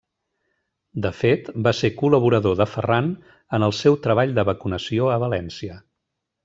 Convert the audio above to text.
De fet, va ser col·laborador de Ferran en el seu treball de vacunació a València.